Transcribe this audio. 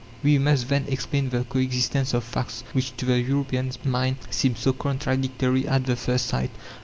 We must then explain the coexistence of facts which, to the European mind, seem so contradictory at the first sight.